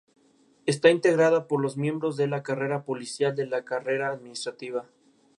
Está integrada por los miembros de la carrera policial y de la carrera administrativa.